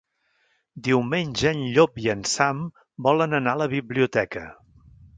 Diumenge en Llop i en Sam volen anar a la biblioteca.